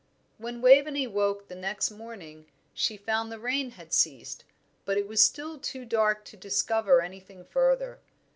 When Waveney woke the next morning she found the rain had ceased; but it was still too dark to discover anything further.